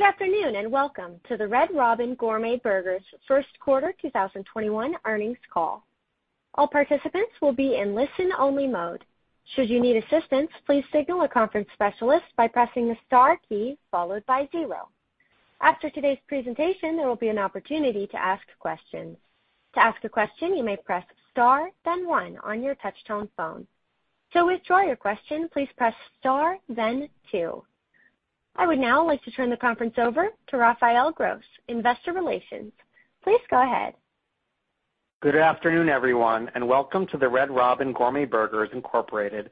Good afternoon, and welcome to the Red Robin Gourmet Burgers First Quarter 2021 Earnings Call. All participants will be in listen only mode. Should you need assistance, please signal a conference specialist by pressing the star key followed by zero. After today's presentation, there will be an opportunity to ask questions. To ask a question, you may press star and one on your touch tone phone. To withdraw your question, please press star then two. I would now like to turn the conference over to Raphael Gross, investor relations. Please go ahead. Good afternoon, everyone, and welcome to the Red Robin Gourmet Burgers, Inc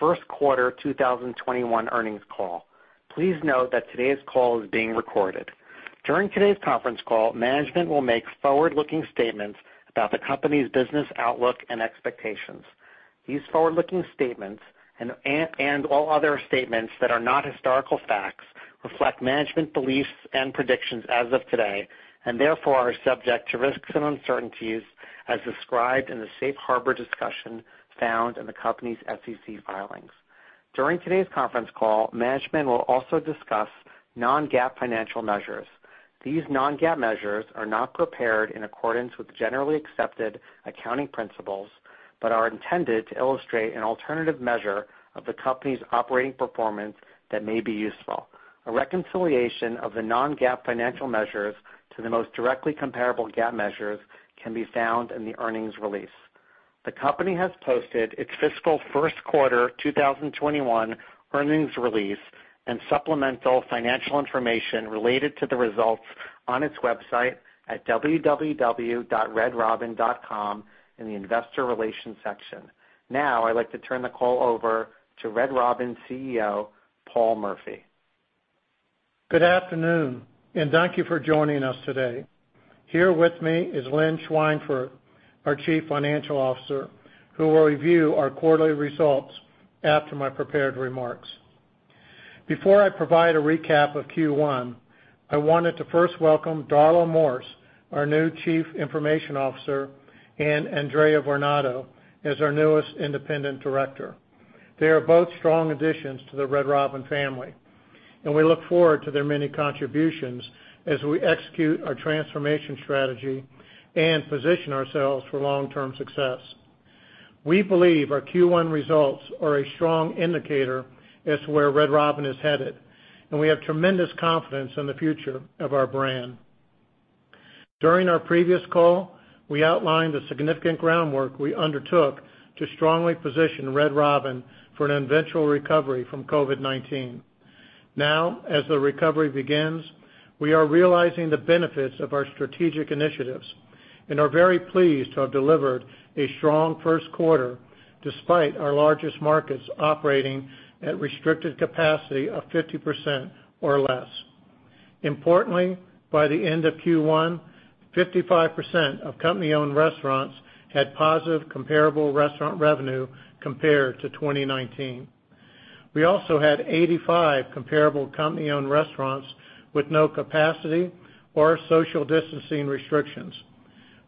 First quarter 2021 earnings call. Please note that today's call is being recorded. During today's conference call, management will make forward-looking statements about the company's business outlook and expectations. These forward-looking statements and all other statements that are not historical facts reflect management beliefs and predictions as of today and therefore are subject to risks and uncertainties as described in the safe harbor discussion found in the company's SEC filings. During today's conference call, management will also discuss non-GAAP financial measures. These non-GAAP measures are not prepared in accordance with generally accepted accounting principles but are intended to illustrate an alternative measure of the company's operating performance that may be useful. A reconciliation of the non-GAAP financial measures to the most directly comparable GAAP measures can be found in the earnings release. The company has posted its fiscal first quarter 2021 earnings release and supplemental financial information related to the results on its website at www.redrobin.com in the investor relations section. I'd like to turn the call over to Red Robin CEO, Paul Murphy. Good afternoon. Thank you for joining us today. Here with me is Lynn Schweinfurth, our Chief Financial Officer, who will review our quarterly results after my prepared remarks. Before I provide a recap of Q1, I wanted to first welcome Darla Morse, our new Chief Information Officer, and Anddria Varnado as our newest Independent Director. They are both strong additions to the Red Robin family, and we look forward to their many contributions as we execute our transformation strategy and position ourselves for long-term success. We believe our Q1 results are a strong indicator as to where Red Robin is headed, and we have tremendous confidence in the future of our brand. During our previous call, we outlined the significant groundwork we undertook to strongly position Red Robin for an eventual recovery from COVID-19. Now, as the recovery begins, we are realizing the benefits of our strategic initiatives and are very pleased to have delivered a strong first quarter despite our largest markets operating at restricted capacity of 50% or less. Importantly, by the end of Q1, 55% of company-owned restaurants had positive comparable restaurant revenue compared to 2019. We also had 85 comparable company-owned restaurants with no capacity or social distancing restrictions,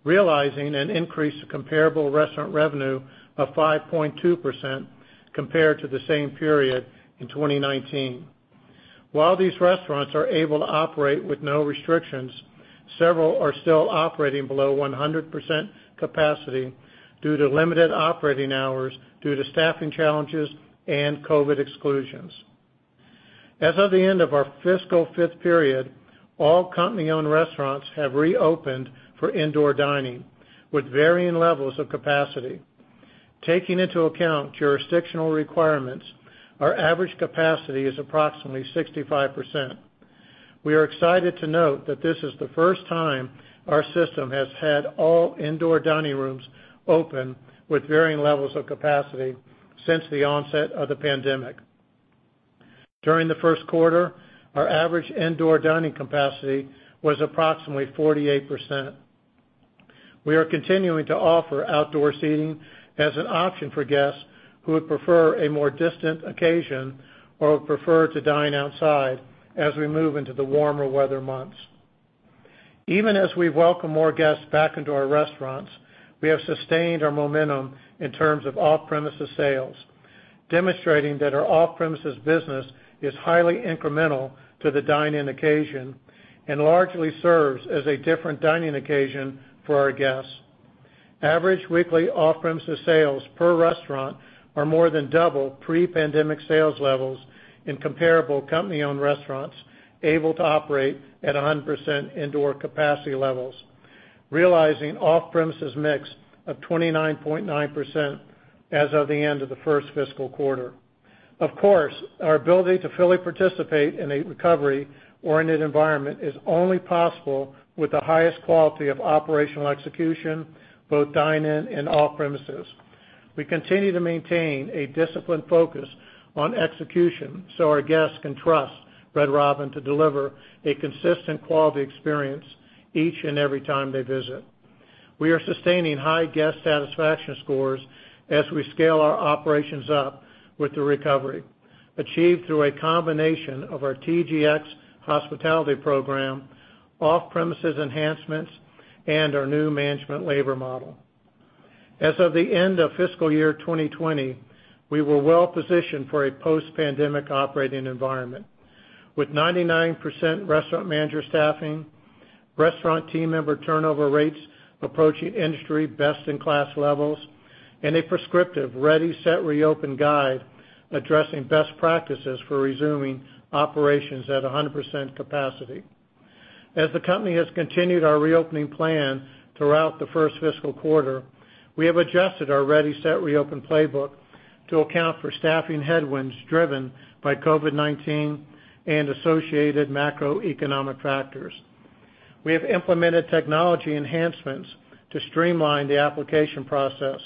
realizing an increase in comparable restaurant revenue of 5.2% compared to the same period in 2019. While these restaurants are able to operate with no restrictions, several are still operating below 100% capacity due to limited operating hours due to staffing challenges and COVID exclusions. As of the end of our fiscal fifth period, all company-owned restaurants have reopened for indoor dining with varying levels of capacity. Taking into account jurisdictional requirements, our average capacity is approximately 65%. We are excited to note that this is the first time our system has had all indoor dining rooms open with varying levels of capacity since the onset of the pandemic. During the first quarter, our average indoor dining capacity was approximately 48%. We are continuing to offer outdoor seating as an option for guests who would prefer a more distant occasion or would prefer to dine outside as we move into the warmer weather months. Even as we welcome more guests back into our restaurants, we have sustained our momentum in terms of off-premises sales, demonstrating that our off-premises business is highly incremental to the dine-in occasion and largely serves as a different dining occasion for our guests. Average weekly off-premises sales per restaurant are more than double pre-pandemic sales levels in comparable company-owned restaurants able to operate at 100% indoor capacity levels, realizing off-premises mix of 29.9% as of the end of the first fiscal quarter. Of course, our ability to fully participate in a recovery or in an environment is only possible with the highest quality of operational execution, both dine-in and off-premises. We continue to maintain a disciplined focus on execution so our guests can trust Red Robin to deliver a consistent quality experience each and every time they visit. We are sustaining high guest satisfaction scores as we scale our operations up with the recovery, achieved through a combination of our TGX hospitality program, off-premises enhancements, and our new management labor model. As of the end of fiscal year 2020, we were well-positioned for a post-pandemic operating environment with 99% restaurant manager staffing, restaurant team member turnover rates approaching industry best-in-class levels, and a prescriptive Ready-Set-Reopen guide addressing best practices for resuming operations at 100% capacity. The company has continued our reopening plan throughout the first fiscal quarter, we have adjusted our Ready-Set-Reopen playbook to account for staffing headwinds driven by COVID-19 and associated macroeconomic factors. We have implemented technology enhancements to streamline the application process,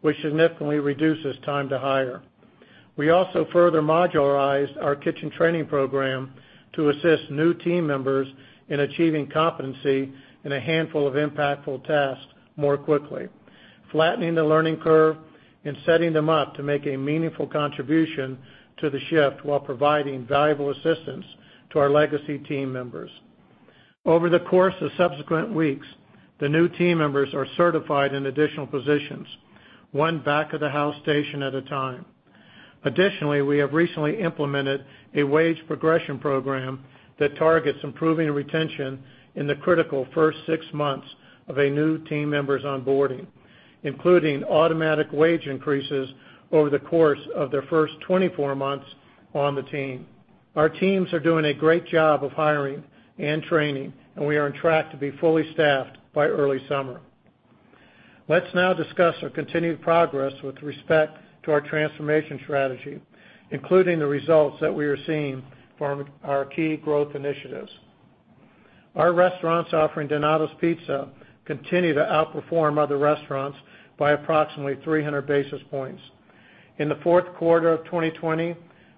which significantly reduces time to hire. We also further modularized our kitchen training program to assist new team members in achieving competency in a handful of impactful tasks more quickly, flattening the learning curve and setting them up to make a meaningful contribution to the shift, while providing valuable assistance to our legacy team members. Over the course of subsequent weeks, the new team members are certified in additional positions, one back-of-the-house station at a time. We have recently implemented a wage progression program that targets improving retention in the critical first six months of a new team member's onboarding, including automatic wage increases over the course of their first 24 months on the team. Our teams are doing a great job of hiring and training, we are on track to be fully staffed by early summer. Let's now discuss our continued progress with respect to our transformation strategy, including the results that we are seeing from our key growth initiatives. Our restaurants offering Donatos Pizza continue to outperform other restaurants by approximately 300 basis points. In the fourth quarter of 2020,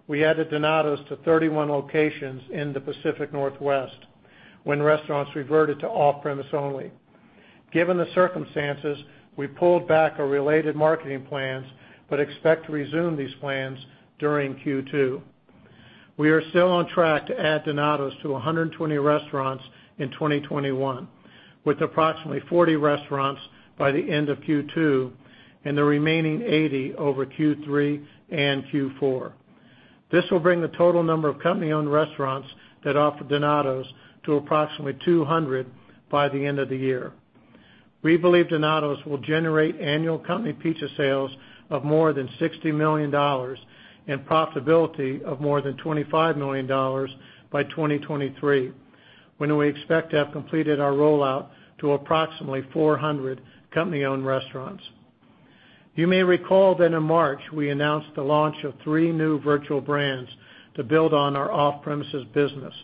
we added Donatos to 31 locations in the Pacific Northwest when restaurants reverted to off-premise only. Given the circumstances, we pulled back our related marketing plans but expect to resume these plans during Q2. We are still on track to add Donatos to 120 restaurants in 2021, with approximately 40 restaurants by the end of Q2 and the remaining 80 restaurants over Q3 and Q4. This will bring the total number of company-owned restaurants that offer Donatos to approximately 200 by the end of the year. We believe Donatos will generate annual company pizza sales of more than $60 million and profitability of more than $25 million by 2023, when we expect to have completed our rollout to approximately 400 company-owned restaurants. You may recall that in March, we announced the launch of three new virtual brands to build on our off-premises business.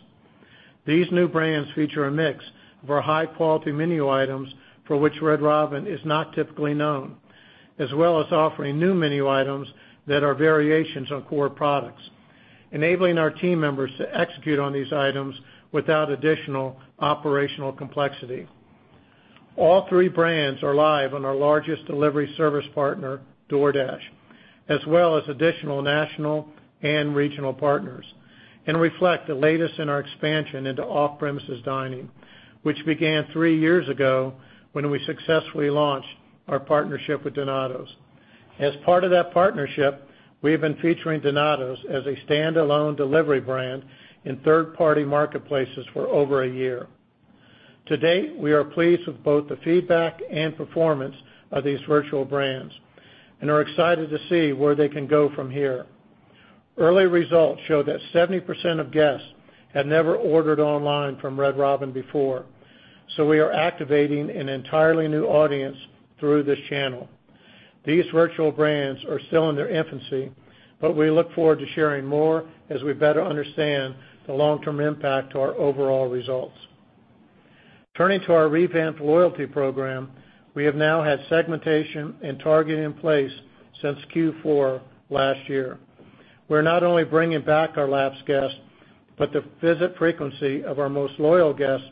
These new brands feature a mix of our high-quality menu items for which Red Robin is not typically known, as well as offering new menu items that are variations on core products, enabling our team members to execute on these items without additional operational complexity. All three brands are live on our largest delivery service partner, DoorDash, as well as additional national and regional partners, and reflect the latest in our expansion into off-premises dining, which began three years ago when we successfully launched our partnership with Donatos. As part of that partnership, we have been featuring Donatos as a standalone delivery brand in third-party marketplaces for over a year. To date, we are pleased with both the feedback and performance of these virtual brands and are excited to see where they can go from here. Early results show that 70% of guests had never ordered online from Red Robin before. We are activating an entirely new audience through this channel. These virtual brands are still in their infancy. We look forward to sharing more as we better understand the long-term impact to our overall results. Turning to our revamped loyalty program, we have now had segmentation and targeting in place since Q4 last year. We're not only bringing back our lapsed guests. The visit frequency of our most loyal guests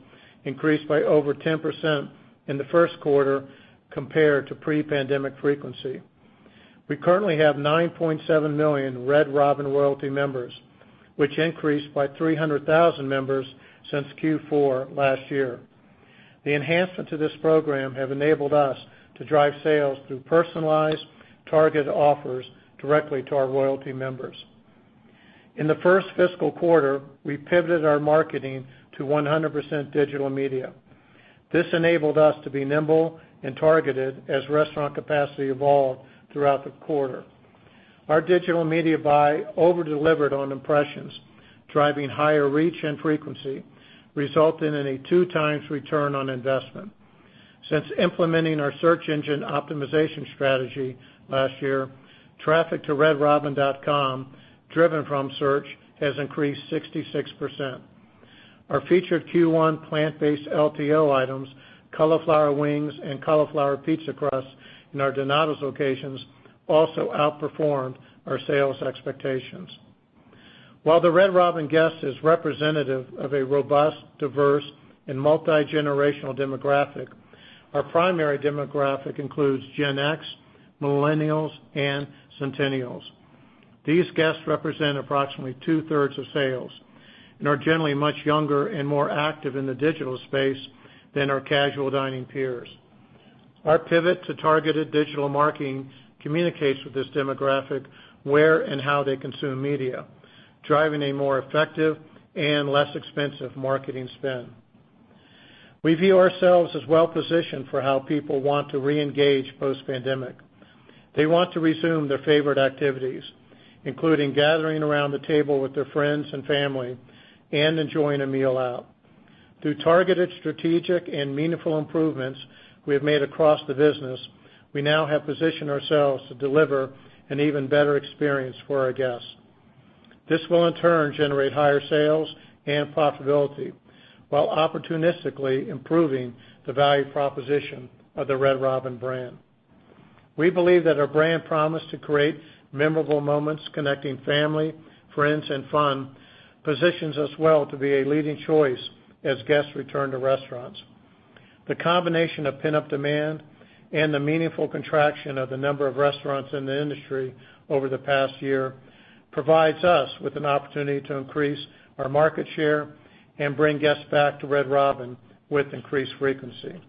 increased by over 10% in the first quarter compared to pre-pandemic frequency. We currently have 9.7 million Red Robin Royalty members, which increased by 300,000 members since Q4 last year. The enhancements to this program have enabled us to drive sales through personalized, targeted offers directly to our loyalty members. In the first fiscal quarter, we pivoted our marketing to 100% digital media. This enabled us to be nimble and targeted as restaurant capacity evolved throughout the quarter. Our digital media buy over-delivered on impressions, driving higher reach and frequency, resulting in a two times return on investment. Since implementing our search engine optimization strategy last year, traffic to redrobin.com driven from search has increased 66%. Our featured Q1 plant-based LTO items, cauliflower wings and cauliflower pizza crust in our Donatos locations, also outperformed our sales expectations. While the Red Robin guest is representative of a robust, diverse, and multigenerational demographic, our primary demographic includes Gen X, Millennials, and Centennials. These guests represent approximately two-thirds of sales and are generally much younger and more active in the digital space than our casual dining peers. Our pivot to targeted digital marketing communicates with this demographic where and how they consume media, driving a more effective and less expensive marketing spend. We view ourselves as well-positioned for how people want to re-engage post-pandemic. They want to resume their favorite activities, including gathering around the table with their friends and family and enjoying a meal out. Through targeted strategic and meaningful improvements we have made across the business, we now have positioned ourselves to deliver an even better experience for our guests. This will in turn generate higher sales and profitability while opportunistically improving the value proposition of the Red Robin brand. We believe that our brand promise to create memorable moments connecting family, friends, and fun positions us well to be a leading choice as guests return to restaurants. The combination of pent-up demand and the meaningful contraction of the number of restaurants in the industry over the past year provides us with an opportunity to increase our market share and bring guests back to Red Robin with increased frequency.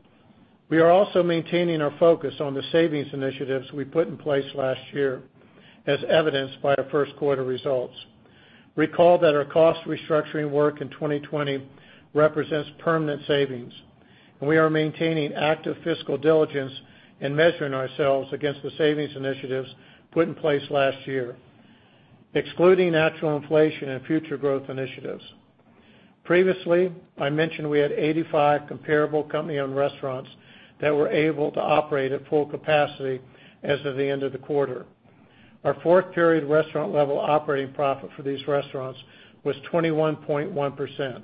We are also maintaining our focus on the savings initiatives we put in place last year, as evidenced by our first quarter results. Recall that our cost restructuring work in 2020 represents permanent savings, and we are maintaining active fiscal diligence in measuring ourselves against the savings initiatives put in place last year, excluding natural inflation and future growth initiatives. Previously, I mentioned we had 85 comparable company-owned restaurants that were able to operate at full capacity as of the end of the quarter. Our fourth period restaurant level operating profit for these restaurants was 21.1%,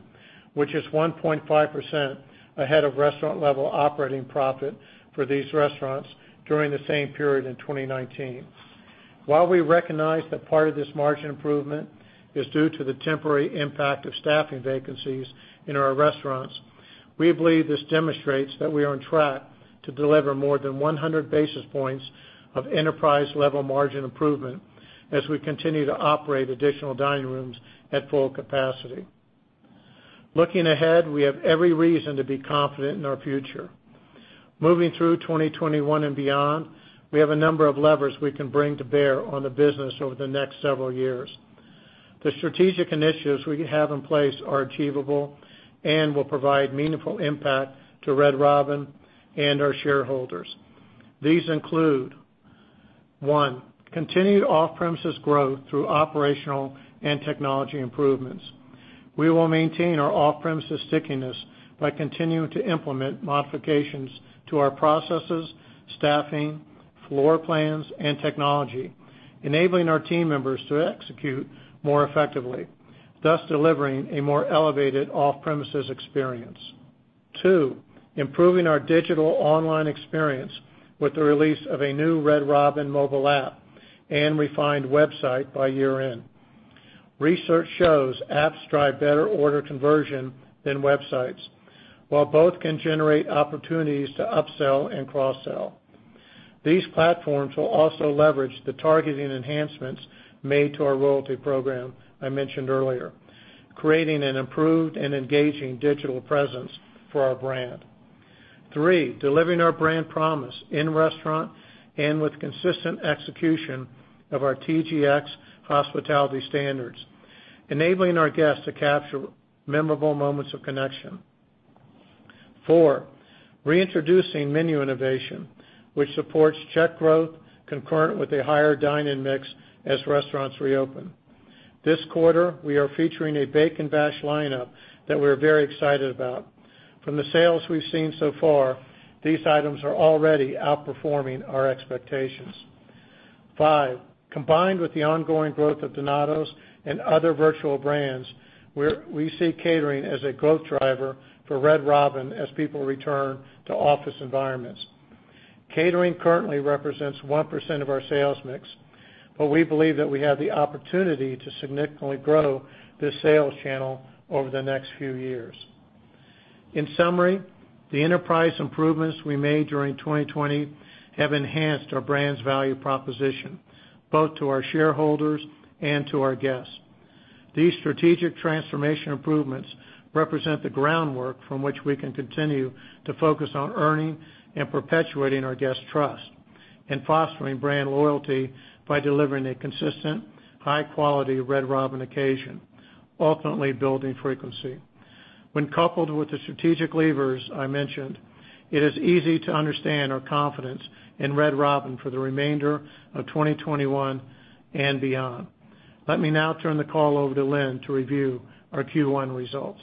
which is 1.5% ahead of restaurant level operating profit for these restaurants during the same period in 2019. While we recognize that part of this margin improvement is due to the temporary impact of staffing vacancies in our restaurants, we believe this demonstrates that we are on track to deliver more than 100 basis points of enterprise level margin improvement as we continue to operate additional dining rooms at full capacity. Looking ahead, we have every reason to be confident in our future. Moving through 2021 and beyond, we have a number of levers we can bring to bear on the business over the next several years. The strategic initiatives we have in place are achievable and will provide meaningful impact to Red Robin and our shareholders. These include, one, continued off-premises growth through operational and technology improvements. We will maintain our off-premises stickiness by continuing to implement modifications to our processes, staffing, floor plans, and technology, enabling our team members to execute more effectively, thus delivering a more elevated off-premises experience. Two, improving our digital online experience with the release of a new Red Robin mobile app and refined website by year-end. Research shows apps drive better order conversion than websites, while both can generate opportunities to upsell and cross-sell. These platforms will also leverage the targeting enhancements made to our loyalty program I mentioned earlier, creating an improved and engaging digital presence for our brand. Three, delivering our brand promise in restaurant and with consistent execution of our TGX hospitality standards, enabling our guests to capture memorable moments of connection. Four, reintroducing menu innovation, which supports check growth concurrent with a higher dine-in mix as restaurants reopen. This quarter, we are featuring a Bacon Bash lineup that we're very excited about. From the sales we've seen so far, these items are already outperforming our expectations. Five, combined with the ongoing growth of Donatos and other virtual brands, we see catering as a growth driver for Red Robin as people return to office environments. Catering currently represents 1% of our sales mix, but we believe that we have the opportunity to significantly grow this sales channel over the next few years. In summary, the enterprise improvements we made during 2020 have enhanced our brand's value proposition, both to our shareholders and to our guests. These strategic transformation improvements represent the groundwork from which we can continue to focus on earning and perpetuating our guests' trust and fostering brand loyalty by delivering a consistent, high-quality Red Robin occasion, ultimately building frequency. When coupled with the strategic levers I mentioned, it is easy to understand our confidence in Red Robin for the remainder of 2021 and beyond. Let me now turn the call over to Lynn to review our Q1 results.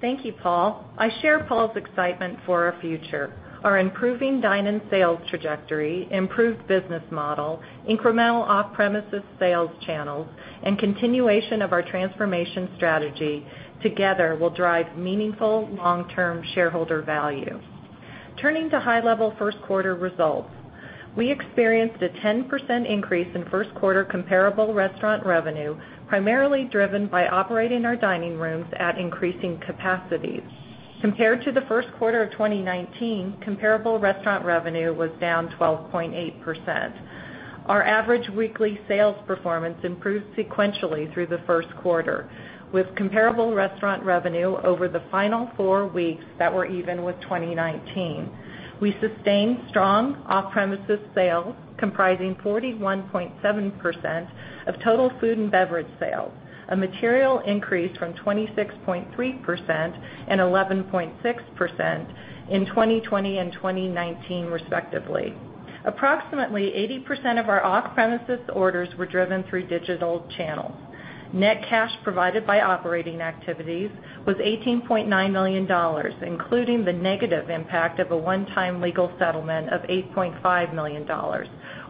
Thank you, Paul. I share Paul's excitement for our future. Our improving dine-in sales trajectory, improved business model, incremental off-premises sales channels, and continuation of our transformation strategy together will drive meaningful long-term shareholder value. Turning to high-level first quarter results, we experienced a 10% increase in first quarter comparable restaurant revenue, primarily driven by operating our dining rooms at increasing capacities. Compared to the first quarter of 2019, comparable restaurant revenue was down 12.8%. Our average weekly sales performance improved sequentially through the first quarter, with comparable restaurant revenue over the final four weeks that were even with 2019. We sustained strong off-premises sales comprising 41.7% of total food and beverage sales, a material increase from 26.3% and 11.6% in 2020 and 2019 respectively. Approximately 80% of our off-premises orders were driven through digital channels. Net cash provided by operating activities was $18.9 million, including the negative impact of a one-time legal settlement of $8.5 million.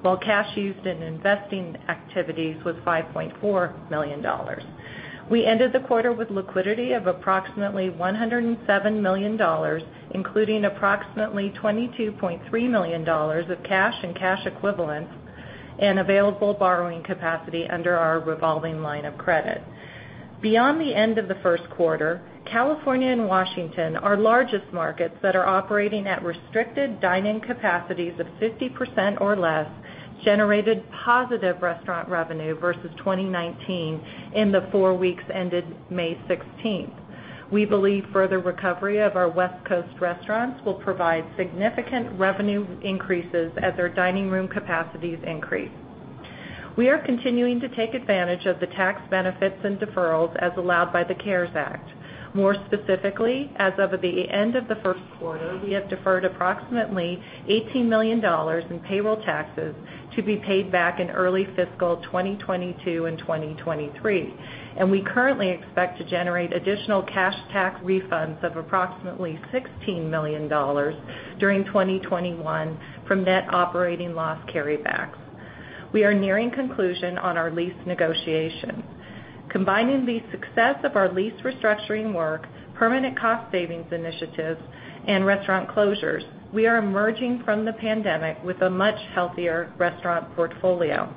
While cash used in investing activities was $5.4 million. We ended the quarter with liquidity of approximately $107 million, including approximately $22.3 million of cash and cash equivalents and available borrowing capacity under our revolving line of credit. Beyond the end of the first quarter, California and Washington, our largest markets that are operating at restricted dining capacities of 50% or less, generated positive restaurant revenue versus 2019 in the four weeks ended May 16th. We believe further recovery of our West Coast restaurants will provide significant revenue increases as their dining room capacities increase. We are continuing to take advantage of the tax benefits and deferrals as allowed by the CARES Act. More specifically, as of the end of the first quarter, we have deferred approximately $18 million in payroll taxes to be paid back in early fiscal 2022 and 2023, and we currently expect to generate additional cash tax refunds of approximately $16 million during 2021 from net operating loss carrybacks. We are nearing conclusion on our lease negotiations. Combining the success of our lease restructuring work, permanent cost savings initiatives, and restaurant closures, we are emerging from the pandemic with a much healthier restaurant portfolio.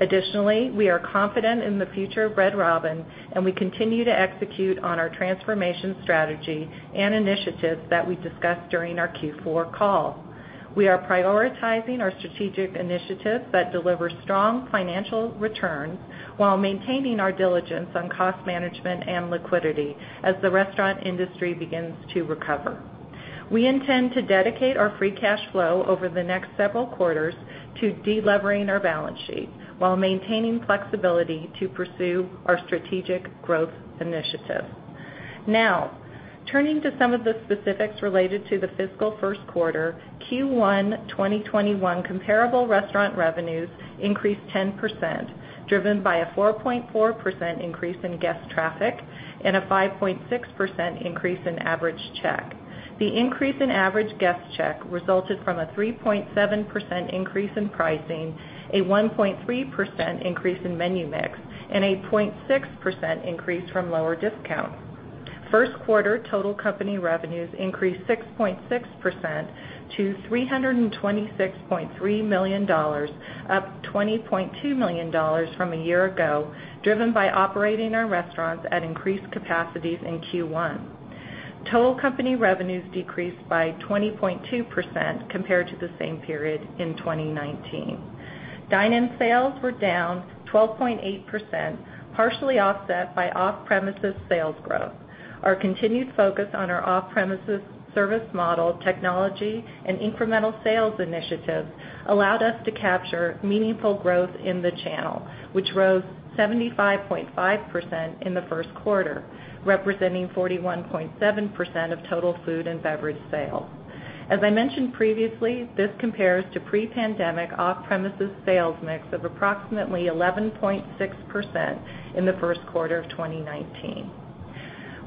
Additionally, we are confident in the future of Red Robin, and we continue to execute on our transformation strategy and initiatives that we discussed during our Q4 call. We are prioritizing our strategic initiatives that deliver strong financial returns while maintaining our diligence on cost management and liquidity as the restaurant industry begins to recover. We intend to dedicate our free cash flow over the next several quarters to de-levering our balance sheet while maintaining flexibility to pursue our strategic growth initiatives. Now, turning to some of the specifics related to the fiscal first quarter, Q1 2021 comparable restaurant revenues increased 10%, driven by a 4.4% increase in guest traffic and a 5.6% increase in average check. The increase in average guest check resulted from a 3.7% increase in pricing, a 1.3% increase in menu mix, and a 0.6% increase from lower discounts. First quarter total company revenues increased 6.6% to $326.3 million, up $20.2 million from a year ago, driven by operating our restaurants at increased capacities in Q1. Total company revenues decreased by 20.2% compared to the same period in 2019. Dine-in sales were down 12.8%, partially offset by off-premises sales growth. Our continued focus on our off-premises service model technology and incremental sales initiatives allowed us to capture meaningful growth in the channel, which rose 75.5% in the first quarter, representing 41.7% of total food and beverage sales. As I mentioned previously, this compares to pre-pandemic off-premises sales mix of approximately 11.6% in the first quarter of 2019.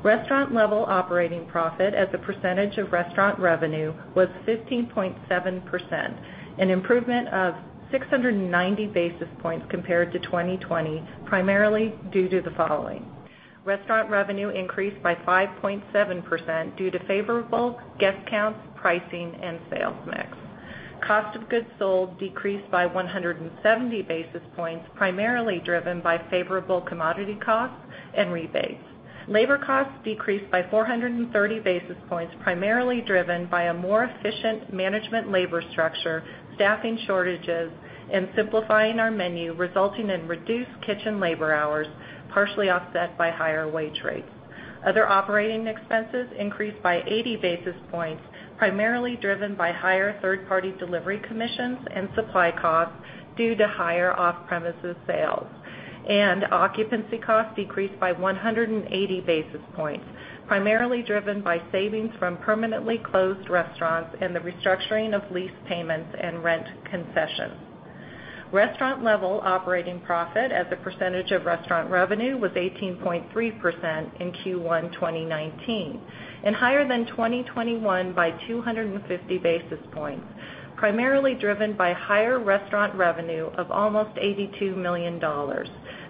Restaurant level operating profit as a percentage of restaurant revenue was 15.7%, an improvement of 690 basis points compared to 2020, primarily due to the following. Restaurant revenue increased by 5.7% due to favorable guest counts, pricing, and sales mix. Cost of goods sold decreased by 170 basis points, primarily driven by favorable commodity costs and rebates. Labor costs decreased by 430 basis points, primarily driven by a more efficient management labor structure, staffing shortages, and simplifying our menu, resulting in reduced kitchen labor hours, partially offset by higher wage rates. Other operating expenses increased by 80 basis points, primarily driven by higher third-party delivery commissions and supply costs due to higher off-premises sales. Occupancy costs decreased by 180 basis points, primarily driven by savings from permanently closed restaurants and the restructuring of lease payments and rent concessions. Restaurant level operating profit as a percentage of restaurant revenue was 18.3% in Q1 2019 and higher than 2021 by 250 basis points, primarily driven by higher restaurant revenue of almost $82 million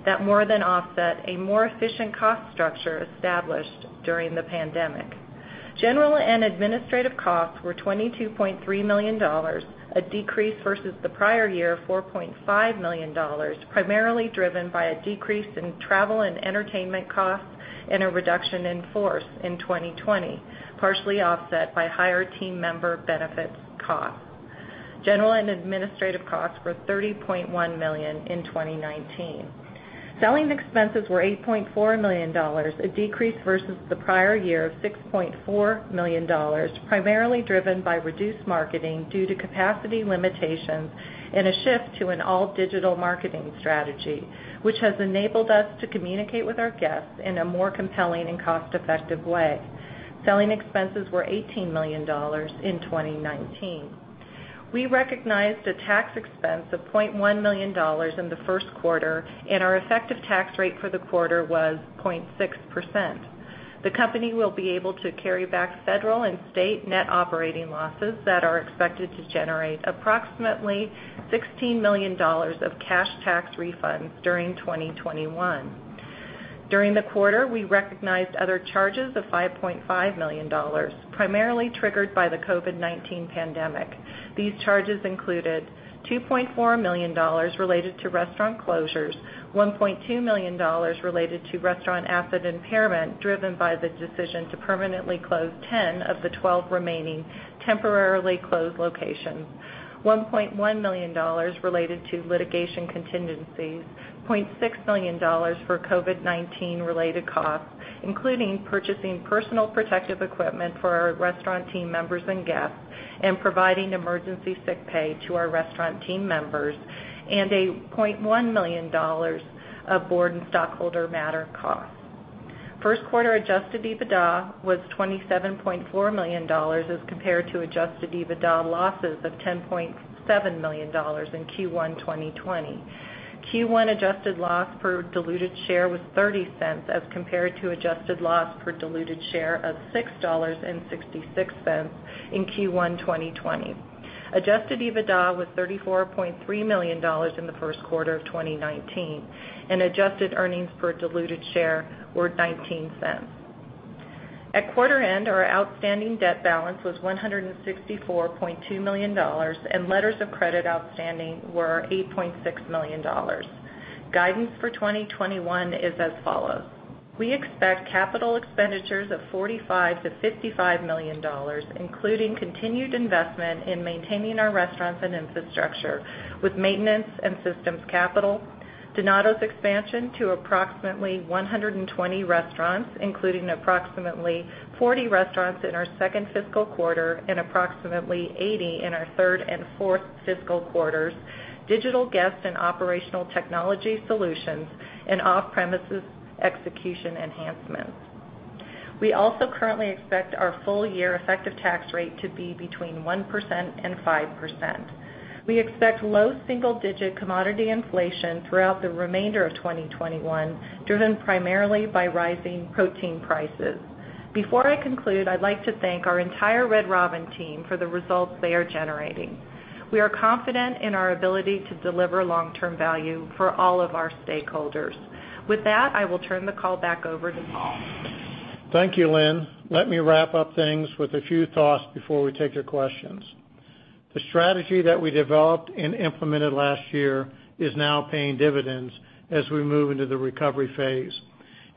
that more than offset a more efficient cost structure established during the pandemic. General and administrative costs were $22.3 million, a decrease versus the prior year $4.5 million primarily driven by a decrease in travel and entertainment costs and a reduction in force in 2020, partially offset by higher team member benefits costs. General and administrative costs were $30.1 million in 2019. Selling expenses were $8.4 million, a decrease versus the prior year of $6.4 million, primarily driven by reduced marketing due to capacity limitations and a shift to an all-digital marketing strategy, which has enabled us to communicate with our guests in a more compelling and cost-effective way. Selling expenses were $18 million in 2019. We recognized a tax expense of $0.1 million in the first quarter, and our effective tax rate for the quarter was 0.6%. The company will be able to carry back federal and state net operating losses that are expected to generate approximately $16 million of cash tax refunds during 2021. During the quarter, we recognized other charges of $5.5 million, primarily triggered by the COVID-19 pandemic. These charges included $2.4 million related to restaurant closures, $1.2 million related to restaurant asset impairment driven by the decision to permanently close 10 of the 12 remaining temporarily closed locations, $1.1 million related to litigation contingencies, $0.6 million for COVID-19 related costs, including purchasing personal protective equipment for our restaurant team members and guests, and providing emergency sick pay to our restaurant team members, and a $0.1 million of board and stockholder matter costs. First quarter adjusted EBITDA was $27.4 million as compared to adjusted EBITDA losses of $10.7 million in Q1 2020. Q1 adjusted loss per diluted share was $0.30 as compared to adjusted loss per diluted share of $6.66 in Q1 2020. Adjusted EBITDA was $34.3 million in the first quarter of 2019, and adjusted earnings per diluted share were $0.19. At quarter end, our outstanding debt balance was $164.2 million, and letters of credit outstanding were $8.6 million. Guidance for 2021 is as follows. We expect capital expenditures of $45 million-$55 million, including continued investment in maintaining our restaurants and infrastructure with maintenance and systems capital, Donatos expansion to approximately 120 restaurants, including approximately 40 restaurants in our second fiscal quarter and approximately 80 restaurants in our third and fourth fiscal quarters, digital guest and operational technology solutions, and off-premises execution enhancements. We also currently expect our full year effective tax rate to be between 1% and 5%. We expect low single-digit commodity inflation throughout the remainder of 2021, driven primarily by rising protein prices. Before I conclude, I'd like to thank our entire Red Robin team for the results they are generating. We are confident in our ability to deliver long-term value for all of our stakeholders. With that, I will turn the call back over to Paul. Thank you, Lynn. Let me wrap up things with a few thoughts before we take your questions. The strategy that we developed and implemented last year is now paying dividends as we move into the recovery phase,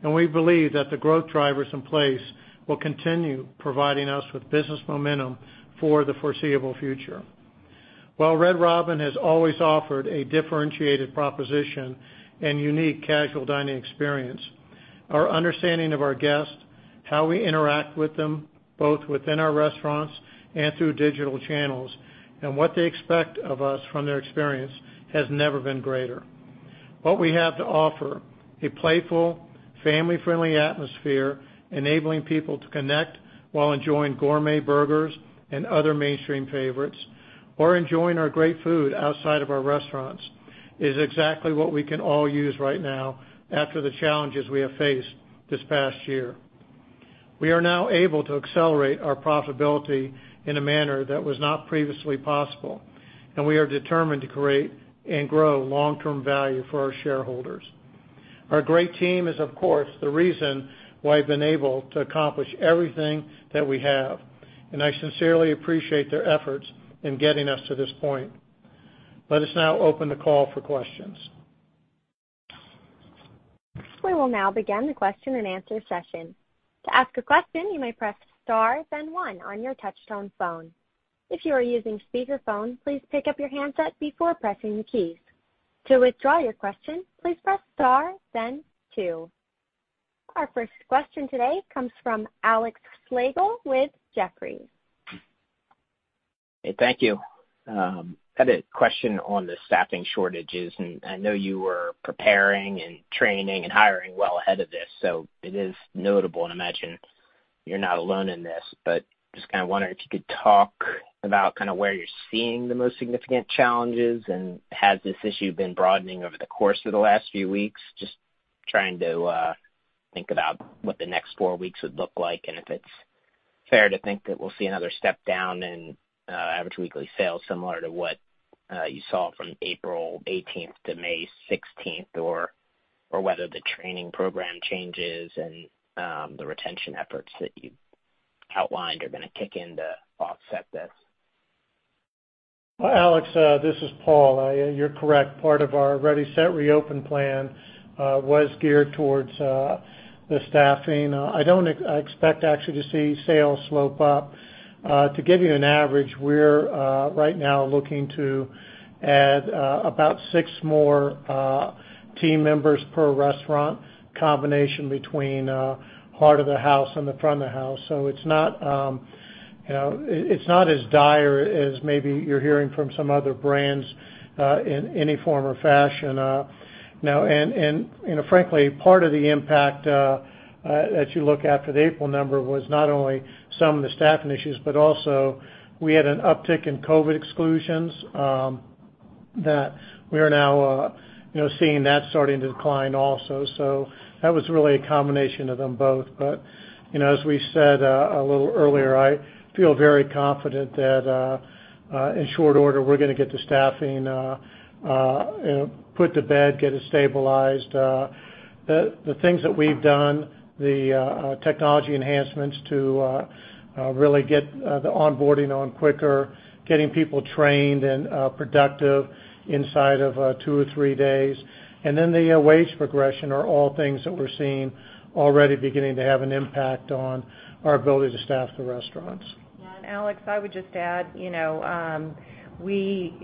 and we believe that the growth drivers in place will continue providing us with business momentum for the foreseeable future. While Red Robin has always offered a differentiated proposition and unique casual dining experience, our understanding of our guests, how we interact with them, both within our restaurants and through digital channels, and what they expect of us from their experience has never been greater. What we have to offer, a playful, family-friendly atmosphere, enabling people to connect while enjoying gourmet burgers and other mainstream favorites, or enjoying our great food outside of our restaurants, is exactly what we can all use right now after the challenges we have faced this past year. We are now able to accelerate our profitability in a manner that was not previously possible, and we are determined to create and grow long-term value for our shareholders. Our great team is, of course, the reason why we've been able to accomplish everything that we have, and I sincerely appreciate their efforts in getting us to this point. Let us now open the call for questions. We will now begin the question-and-answer session. To ask a question, you may press star then one on your touch tone phone. If you are using speaker phone, please pick up your handset before pressing the keys. To withdraw your question, please press star then two. Our first question today comes from Alex Slagle with Jefferies. Thank you. I had a question on the staffing shortages, and I know you were preparing and training and hiring well ahead of this, so it is notable. I imagine you're not alone in this, but just kind of wondering if you could talk about where you're seeing the most significant challenges, and has this issue been broadening over the course of the last few weeks? Just trying to think about what the next four weeks would look like, and if it's fair to think that we'll see another step down in average weekly sales similar to what you saw from April 18th to May 16th, or whether the training program changes and the retention efforts that you've outlined are going to kick in to offset this. Well, Alex, this is Paul. You're correct. Part of our Ready-Set-Reopen plan was geared towards the staffing. I don't expect actually to see sales slope up. To give you an average, we're right now looking to add about six more team members per restaurant, combination between heart of the house and the front of the house. It's not as dire as maybe you're hearing from some other brands in any form or fashion. Frankly, part of the impact as you look after the April number was not only some of the staffing issues, but also we had an uptick in COVID-19 exclusions that we are now seeing that starting to decline also. That was really a combination of them both. As we said a little earlier, I feel very confident that in short order, we're going to get the staffing put to bed, get it stabilized. The things that we've done, the technology enhancements to really get the onboarding on quicker, getting people trained and productive inside of two or three days, and then the wage progression are all things that we're seeing already beginning to have an impact on our ability to staff the restaurants. Alex, I would just add, as we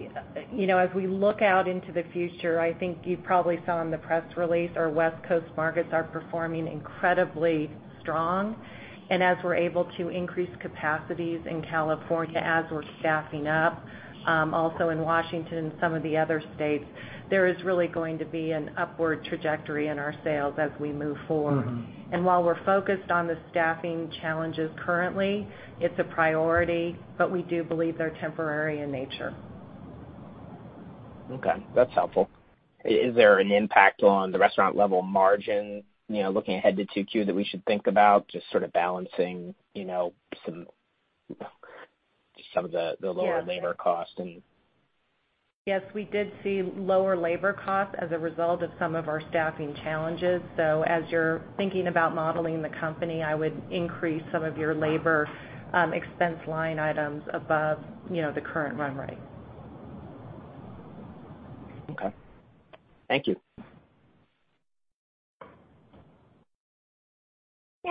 look out into the future, I think you probably saw in the press release, our West Coast markets are performing incredibly strong. As we're able to increase capacities in California, as we're staffing up, also in Washington and some of the other states, there is really going to be an upward trajectory in our sales as we move forward. While we're focused on the staffing challenges currently, it's a priority, but we do believe they're temporary in nature. Okay. That's helpful. Is there an impact on the restaurant level margin, looking ahead to 2Q that we should think about, just sort of balancing some of the lower labor costs? Yes, we did see lower labor costs as a result of some of our staffing challenges. As you're thinking about modeling the company, I would increase some of your labor expense line items above the current run rate. Okay. Thank you.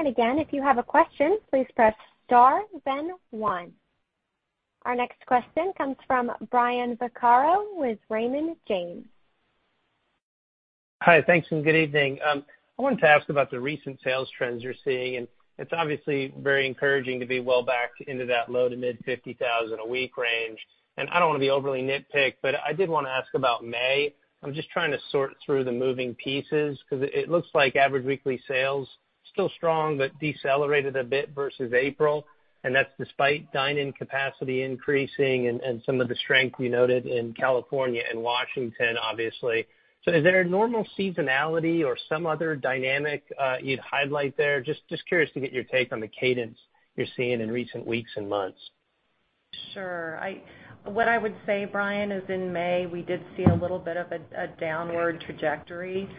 Again, if you have a question, please press star then one. Our next question comes from Brian Vaccaro with Raymond James. Hi, thanks, good evening. I wanted to ask about the recent sales trends you're seeing, and it's obviously very encouraging to be well back into that low to mid $50,000 a week range. I don't want to overly nitpick, but I did want to ask about May. I'm just trying to sort through the moving pieces because it looks like average weekly sales still strong, but decelerated a bit versus April, and that's despite dine-in capacity increasing and some of the strength we noted in California and Washington, obviously. Is there a normal seasonality or some other dynamic you'd highlight there? Just curious to get your take on the cadence you're seeing in recent weeks and months. Sure. What I would say, Brian, is in May, we did see a little bit of a downward trajectory.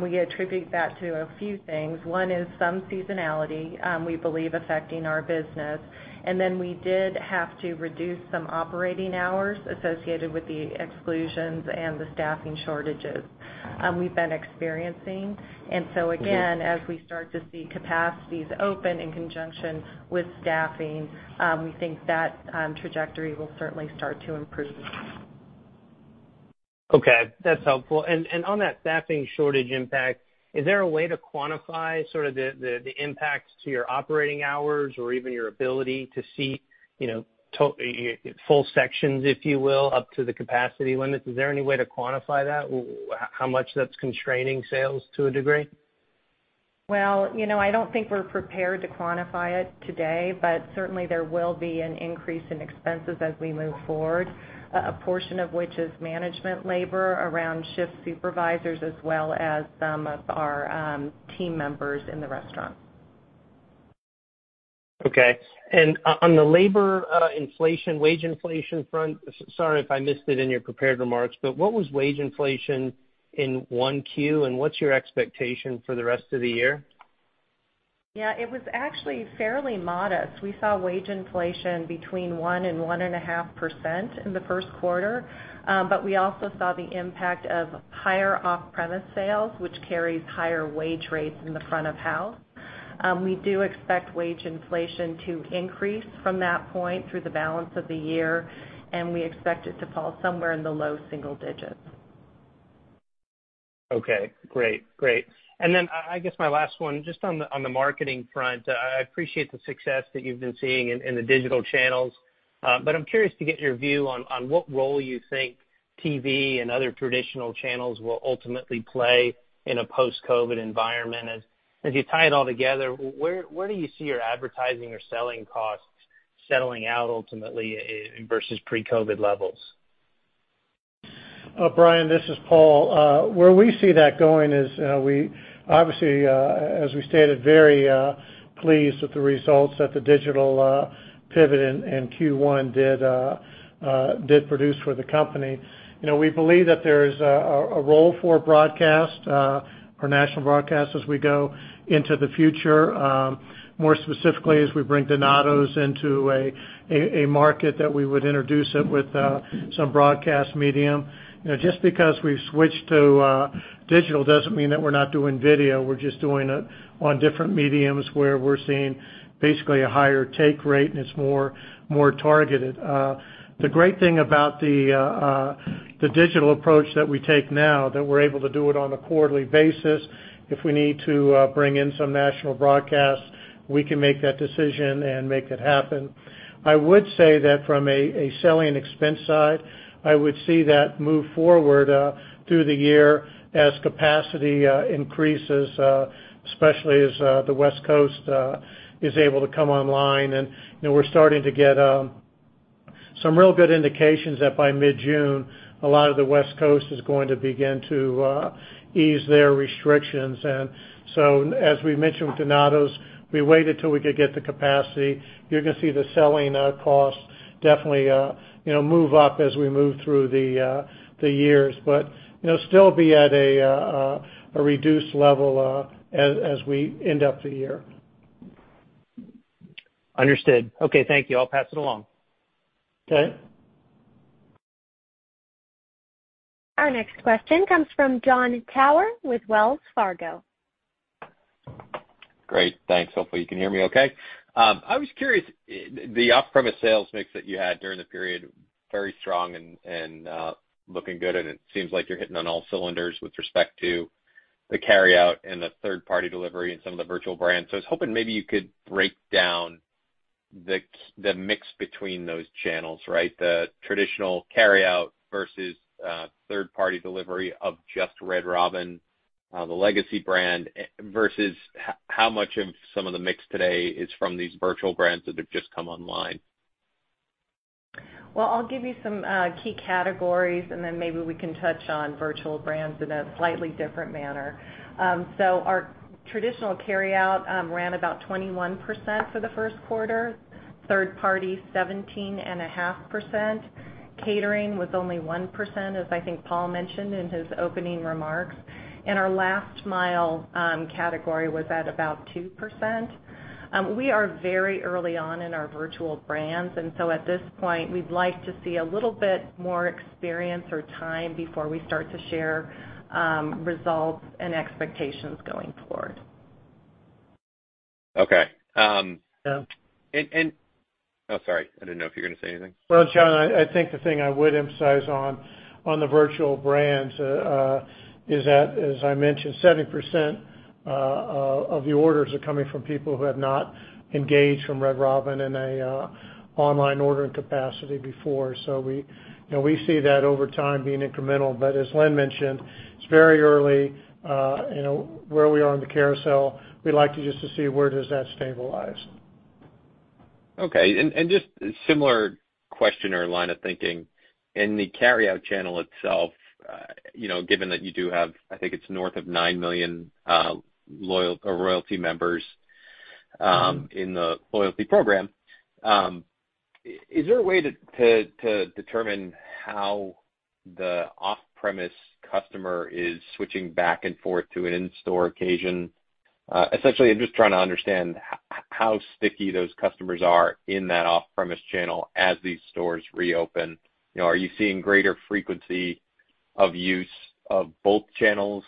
We attribute that to a few things. One is some seasonality we believe affecting our business, and then we did have to reduce some operating hours associated with the exclusions and the staffing shortages we've been experiencing. Again, as we start to see capacities open in conjunction with staffing, we think that trajectory will certainly start to improve. Okay, that's helpful. On that staffing shortage impact, is there a way to quantify sort of the impacts to your operating hours or even your ability to seat full sections, if you will, up to the capacity limits? Is there any way to quantify that, how much that's constraining sales to a degree? Well, I don't think we're prepared to quantify it today, but certainly there will be an increase in expenses as we move forward. A portion of which is management labor around shift supervisors as well as some of our team members in the restaurant. Okay. On the labor inflation, wage inflation front, sorry if I missed it in your prepared remarks, but what was wage inflation in 1Q and what's your expectation for the rest of the year? Yeah, it was actually fairly modest. We saw wage inflation between 1% and 1.5% in the Q1. We also saw the impact of higher off-premise sales, which carries higher wage rates in the front of house. We do expect wage inflation to increase from that point through the balance of the year, and we expect it to fall somewhere in the low single digits. Okay, great. I guess my last one, just on the marketing front, I appreciate the success that you've been seeing in the digital channels. I'm curious to get your view on what role you think TV and other traditional channels will ultimately play in a post-COVID environment. As you tie it all together, where do you see your advertising or selling costs settling out ultimately versus pre-COVID levels? Brian, this is Paul. Where we see that going is, obviously, as we stated, very pleased with the results that the digital pivot in Q1 did produce for the company. We believe that there is a role for broadcast, for national broadcast as we go into the future. More specifically, as we bring Donatos into a market that we would introduce it with some broadcast medium. Just because we've switched to digital doesn't mean that we're not doing video. We're just doing it on different mediums where we're seeing basically a higher take rate, and it's more targeted. The great thing about the digital approach that we take now, that we're able to do it on a quarterly basis. If we need to bring in some national broadcast, we can make that decision and make it happen. I would say that from a selling expense side, I would see that move forward through the year as capacity increases, especially as the West Coast is able to come online, and we're starting to get some real good indications that by mid-June, a lot of the West Coast is going to begin to ease their restrictions. As we mentioned with Donatos, we waited till we could get the capacity. You're going to see the selling cost definitely move up as we move through the years. Still be at a reduced level as we end up the year. Understood. Okay, thank you. I'll pass it along. Okay. Our next question comes from Jon Tower with Wells Fargo. Great. Thanks. Hopefully, you can hear me okay. I was curious, the off-premise sales mix that you had during the period, very strong and looking good, and it seems like you're hitting on all cylinders with respect to the carryout and the third-party delivery and some of the virtual brands. I was hoping maybe you could break down the mix between those channels, right? The traditional carryout versus third-party delivery of just Red Robin, the legacy brand, versus how much of some of the mix today is from these virtual brands that have just come online. I'll give you some key categories, and then maybe we can touch on virtual brands in a slightly different manner. Our traditional carryout ran about 21% for the first quarter, third party 17.5%, catering was only 1%, as I think Paul mentioned in his opening remarks, and our last mile category was at about 2%. We are very early on in our virtual brands, and so at this point, we'd like to see a little bit more experience or time before we start to share results and expectations going forward. Okay. Yeah. Oh, sorry, I didn't know if you were going to say anything. Well, Jon, I think the thing I would emphasize on the virtual brands is that, as I mentioned, 70% of the orders are coming from people who have not engaged from Red Robin in an online ordering capacity before. We see that over time being incremental. As Lynn mentioned, it is very early where we are in the carousel. We would like just to see where does that stabilize. Okay. Just a similar question or line of thinking. In the carryout channel itself, given that you do have, I think it's north of 9 million royalty members in the Royalty program. Is there a way to determine how the off-premise customer is switching back and forth to an in-store occasion? Especially, I'm just trying to understand how sticky those customers are in that off-premise channel as these stores reopen. Are you seeing greater frequency of use of both channels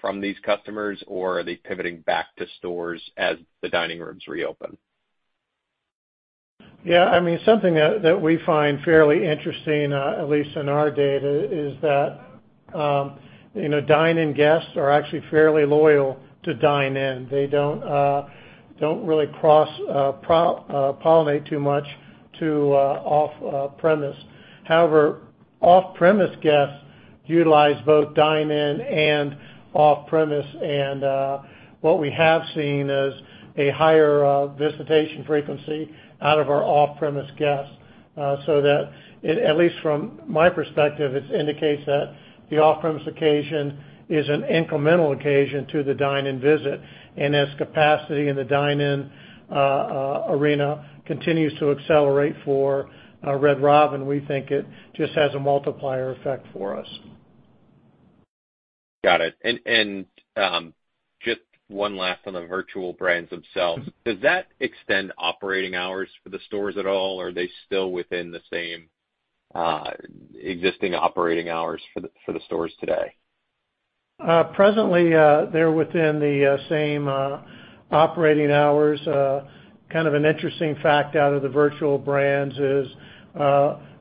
from these customers, or are they pivoting back to stores as the dining rooms reopen? Something that we find fairly interesting, at least in our data, is that dine-in guests are actually fairly loyal to dine-in. They don't really cross-pollinate too much to off-premise. However, off-premise guests utilize both dine-in and off-premise, and what we have seen is a higher visitation frequency out of our off-premise guests. That, at least from my perspective, it indicates that the off-premise occasion is an incremental occasion to the dine-in visit. As capacity in the dine-in arena continues to accelerate for Red Robin, we think it just has a multiplier effect for us. Got it. Just one last on the virtual brands themselves. Does that extend operating hours for the stores at all, or are they still within the same existing operating hours for the stores today? Presently, they're within the same operating hours. Kind of an interesting fact out of the virtual brands is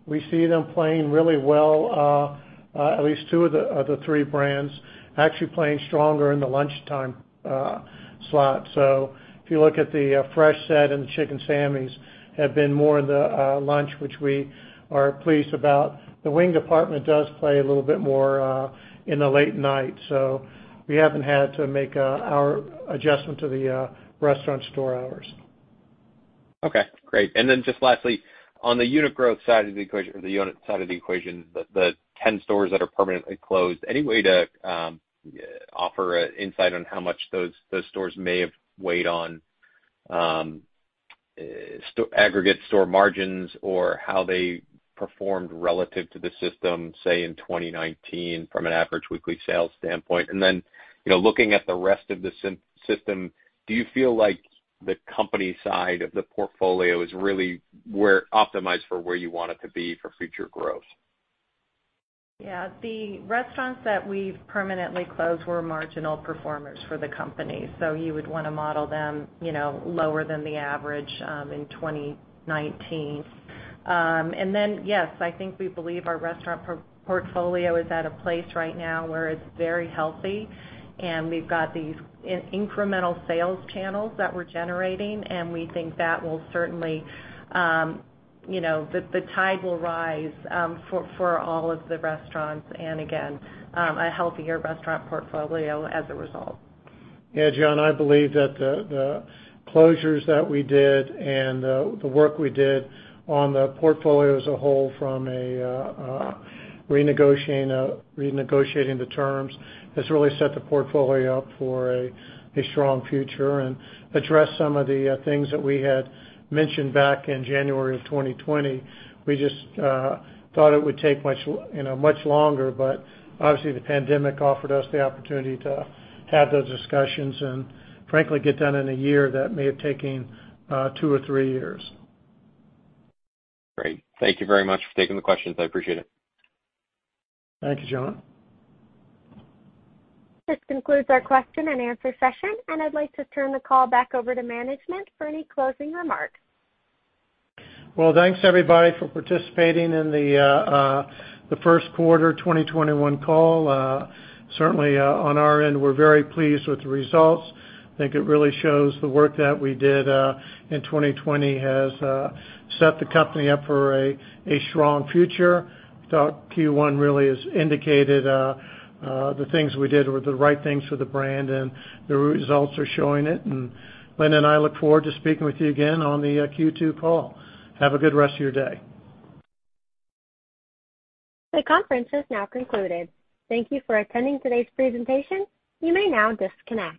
we see them playing really well, at least two of the three brands actually playing stronger in the lunchtime slot. If you look at Fresh Set and Chicken Sammy's have been more in the lunch, which we are pleased about. The Wing Department does play a little bit more in the late night, so we haven't had to make an adjustment to the restaurant store hours. Okay, great. Just lastly, on the unit growth side of the equation or the unit side of the equation, the 10 stores that are permanently closed, any way to offer an insight on how much those stores may have weighed on aggregate store margins or how they performed relative to the system, say, in 2019 from an average weekly sales standpoint? Looking at the rest of the system, do you feel like the company side of the portfolio is really optimized for where you want it to be for future growth? Yeah. The restaurants that we've permanently closed were marginal performers for the company, so you would want to model them lower than the average in 2019. Yes, I think we believe our restaurant portfolio is at a place right now where it's very healthy, and we've got these incremental sales channels that we're generating, and we think that the tide will rise for all of the restaurants, and again, a healthier restaurant portfolio as a result. Yeah, Jon, I believe that the closures that we did and the work we did on the portfolio as a whole from renegotiating the terms has really set the portfolio up for a strong future and addressed some of the things that we had mentioned back in January of 2020. We just thought it would take much longer, but obviously, the pandemic offered us the opportunity to have those discussions and frankly, get done in a year that may have taken two or three years. Great. Thank you very much for taking the questions. I appreciate it. Thanks, Jon. This concludes our question and answer session. I'd like to turn the call back over to management for any closing remarks. Well, thanks everybody for participating in the first quarter 2021 call. Certainly on our end, we're very pleased with the results. I think it really shows the work that we did in 2020 has set the company up for a strong future. Thought Q1 really has indicated the things we did were the right things for the brand, and the results are showing it. Lynn and I look forward to speaking with you again on the Q2 call. Have a good rest of your day. The conference has now concluded. Thank you for attending today's presentation. You may now disconnect.